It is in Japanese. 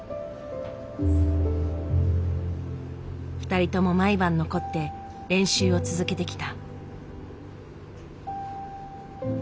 ２人とも毎晩残って練習を続けてきた。